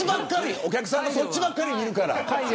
お客さんもそっちばっかり見るから。